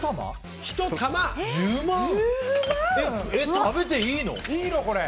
えっ、食べていいの？